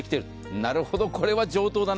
なるほど、これは上等だな。